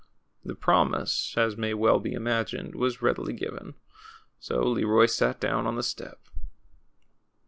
The promise, as may well be imagined, was readily given. So Leroy sat down on the step.